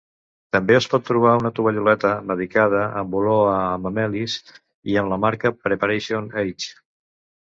També es pot trobar una tovalloleta medicada amb olor a hamamelis i amb la marca Preparation H.